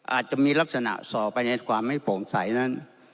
อาจจะมีลักษณะส่อไปในความไม่โปร่งใสนั้น